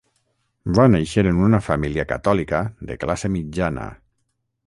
Va néixer en una família catòlica de classe mitjana.